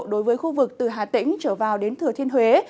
đối với khu vực từ hà tĩnh trở vào đến thừa thiên huế